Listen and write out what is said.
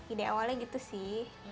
ide awalnya gitu sih